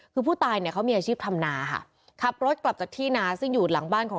คือผู้ตายเนี่ยเขามีอาชีพทำนาค่ะขับรถกลับจากที่นาซึ่งอยู่หลังบ้านของ